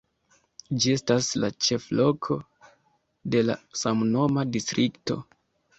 Ĝi estas la ĉefloko de la samnoma distrikto.